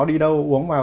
đi đâu uống vào